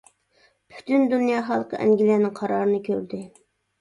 پۈتۈن دۇنيا خەلقى ئەنگلىيەنىڭ قارارىنى كۆردى.